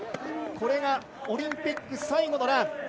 これがオリンピック最後のラン。